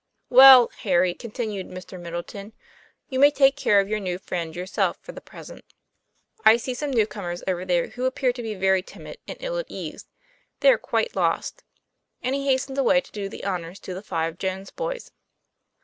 "Well, Harry," continued Mr. Middleton, "you may take care of your new friend yourself for the present; I see some new comers over there who ap pear to be very timid and ill at ease they are quite lost." And he hastened away to do the honors to the five Jones boys.